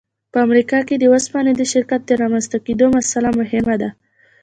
په امریکا کې د اوسپنې د شرکت د رامنځته کېدو مسأله مهمه ده